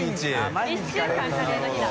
１週間カレーの日だ。